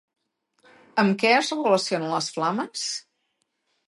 Amb què es relacionen les flames?